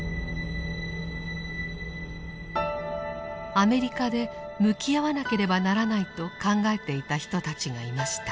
アメリカで向き合わなければならないと考えていた人たちがいました。